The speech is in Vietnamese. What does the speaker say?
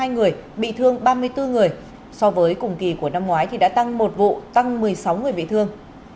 hai người bị thương ba mươi bốn người so với cùng kỳ của năm ngoái thì đã tăng một vụ tăng một mươi sáu người bị thương